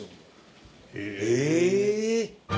え。